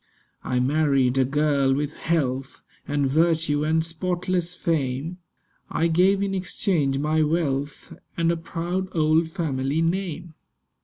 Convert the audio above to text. I married a girl with health And virtue and spotless fame. I gave in exchange my wealth And a proud old family name.